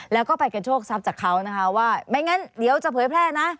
แล้วก็ไปกันโชคทรัพย์จากเขานะคะว่าไม่งั้นเดี๋ยวจะเผยแพร่นะ